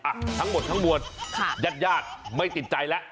อ่ะทั้งหมดทั้งหมวดยาดไม่ติดใจแล้ว